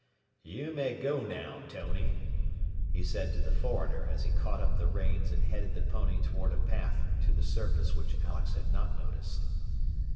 "You may go now, Tony," he said to the foreigner as he caught up the reins and headed the pony toward a path to the surface which Alex had not noticed.